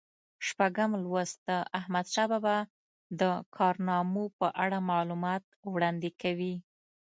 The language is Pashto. شپږم لوست د احمدشاه بابا د کارنامو په اړه معلومات وړاندې کوي.